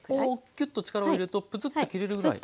こうきゅっと力を入れるとプツッと切れるぐらい。